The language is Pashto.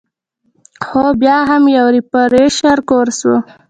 خو بيا هم يو ريفرېشر کورس وۀ -